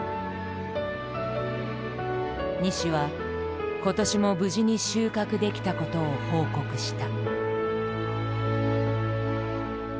西は今年も無事に収穫できたことを報告した。